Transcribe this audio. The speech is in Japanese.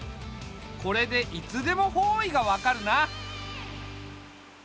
これでいつでも方位が分かるな。